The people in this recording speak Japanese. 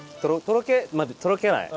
とろけない？